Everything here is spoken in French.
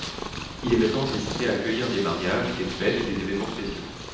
Il est maintenant destiné à accueillir des mariages, des fêtes et des événements spéciaux.